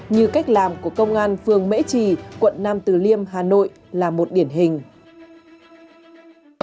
như cách làm của công an phường mễ trì quận nam từ liêm hà nội là một điển hình